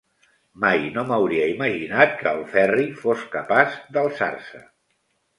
Mai no m'hauria imaginat que el Ferri fos capaç d'alçar-se.